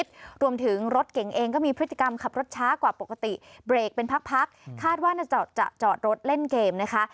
รถเก๋งรวมถึงรถเก่งเองก็มีพฤติกรรมขับรถช้ากว่าปกติเบรกเป็นพักคาดว่าน่าจะจอดรถเล่นเกมนะคะ